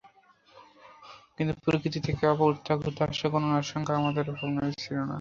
কিন্তু প্রকৃতি থেকে প্রত্যাঘাত আসার কোনো আশঙ্কা আমাদের ভাবনায় ছিল না।